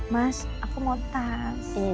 mas aku mau tas